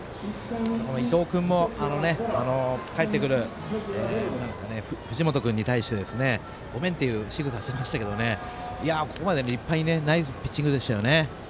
伊藤君も帰ってくる藤本君に対してごめんっていうしぐさをしてましたけどここまでナイスピッチングでしたよね。